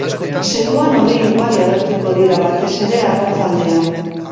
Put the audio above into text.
Zeruan hodei ugari agertuko dira, batez ere, arratsaldean.